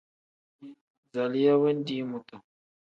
Zaliya wendii mutu.